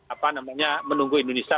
apa namanya menunggu indonesia